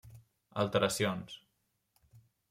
Alteracions: